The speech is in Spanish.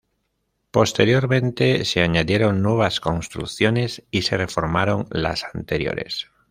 Posteriormente se añadieron nuevas construcciones y se reformaron las anteriores.